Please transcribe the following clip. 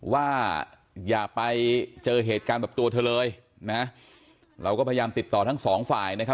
ว่าอย่าไปเจอเหตุการณ์แบบตัวเธอเลยนะเราก็พยายามติดต่อทั้งสองฝ่ายนะครับ